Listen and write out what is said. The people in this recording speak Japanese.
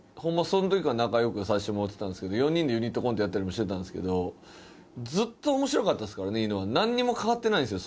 その時から仲よくさしてもらってたんですけど４人でユニットコントやったりもしてたんですけどずっと面白かったっすからねいぬは何にも変わってないんすよ